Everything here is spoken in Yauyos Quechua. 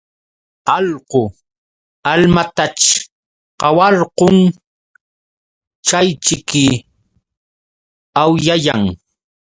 Allqu almataćh qawarqun chayćhiki awllayan.